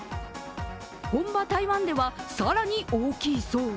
本場台湾では更に大きいそう。